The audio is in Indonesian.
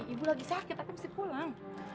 ibu lagi sakit tapi mesti pulang